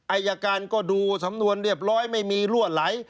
อายการก็ดูสำนวนเรียบร้อยไม่มีรั่วไหล